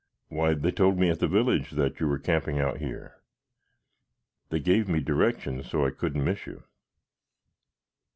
"Why, they told me, at the village, that you were camping out here. They gave me directions so I couldn't miss you."